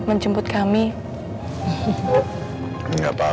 terima kasih banyak ya pak al